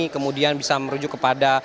kemudian bisa merujuk kepada